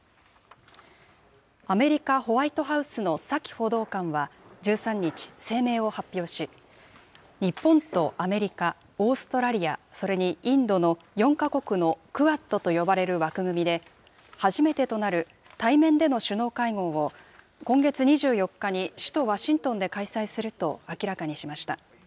アメリカ・ホワイトハウスのサキ報道官は１３日、声明を発表し、日本とアメリカ、オーストラリア、それにインドの４か国のクアッドと呼ばれる枠組みで、初めてとなる対面での首脳会合を今月２４日に首都ワシントンで開催すると明らかにしました。